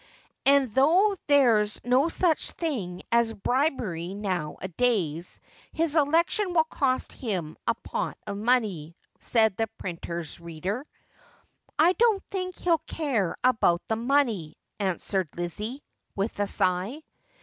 'And though there's no such thing as bribery now a days, his election •will cost him a pot of money,' said the printer's reader. ' I don't think he'll care about the money,' answered Lizzie, with a sigh.